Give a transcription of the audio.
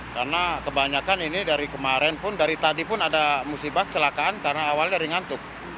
karena kebanyakan ini dari kemarin pun dari tadi pun ada musibah celakaan karena awalnya dari ngantuk